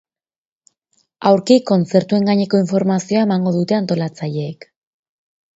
Aurki kontzertuen gaineko informazioa emango dute antolatzaileek.